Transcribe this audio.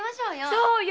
そうよ